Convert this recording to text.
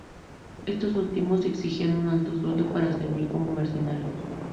Estos últimos exigían un alto sueldo para servir como mercenarios.